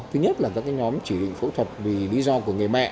thứ nhất là các nhóm chỉ định phẫu thuật vì lý do của người mẹ